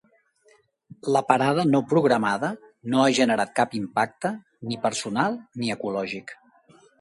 La parada no programada no ha generat cap impacte ni personal ni ecològic.